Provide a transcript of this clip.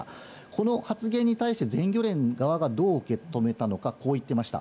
この発言に対して全漁連側がどう受け止めたのか、こう言ってました。